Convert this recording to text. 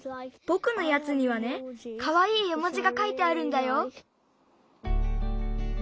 ぼくのやつにはねかわいいえ文字がかいてあるんだよ。